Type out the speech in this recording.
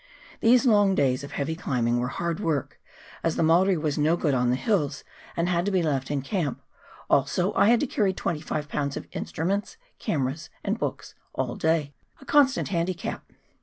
These long days of heavy climbing were hard work, as the Maori was no good on the hills and had to be left in camp, also I had to carry 25 lbs. of instruments, camera, and books all day — a constant handicap.